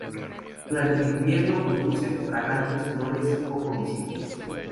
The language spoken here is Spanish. Durante el invierno produce fragantes flores poco visibles.